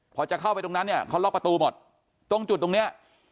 พอจะเข้าไปตรงนั้นเนี่ยเขาล็อกประตูหมดตรงจุดตรงเนี้ย